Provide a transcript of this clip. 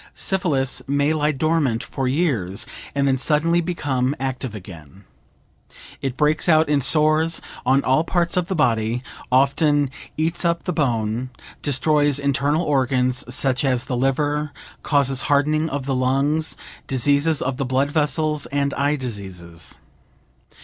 Syphilis may lie dormant for years, and then suddenly become active again. It breaks out in sores on all parts of the body, often eats up the bone, destroys internal organs, such as the liver, causes hardening of the lungs, diseases of the blood vessels and eye diseases.